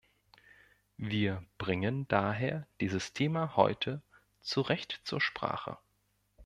Wir bringen daher dieses Thema heute zu Recht zur Sprache.